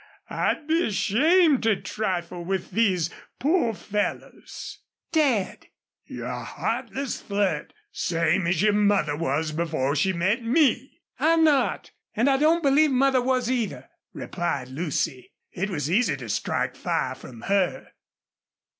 I'd be ashamed to trifle with these poor fellers." "Dad!" "You're a heartless flirt same as your mother was before she met ME." "I'm not. And I don't believe mother was, either," replied Lucy. It was easy to strike fire from her.